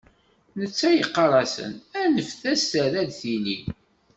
Netta yeqqar-asen: Aneft-as terra-d tili.